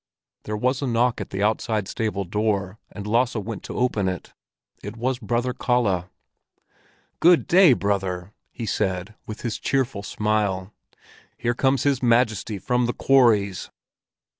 There was a knock at the outside stable door, and Lasse went to open it. It was Brother Kalle. "Good day, brother!" he said, with his cheerful smile. "Here comes his Majesty from the quarries!"